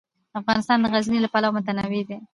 افغانستان د غزني له پلوه متنوع دی.